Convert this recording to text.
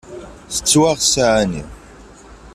Tettwaɣ ssaεa-nni.